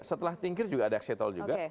setelah tingkir juga ada exhatel juga